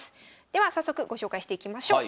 では早速ご紹介していきましょう。